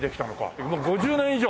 もう５０年以上？